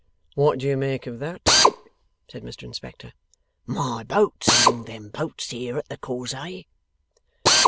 'What do you make of that?' said Mr Inspector. 'My boat's among them boats here at the cause'ay.